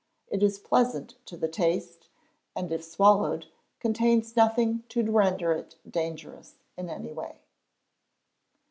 It is pleasant to the taste, and if swallowed, contains nothing to render it dangerous in any way.